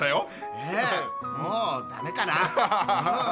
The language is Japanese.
ねえもうダメかな。